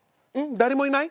誰もいない？